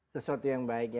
sesuatu yang baik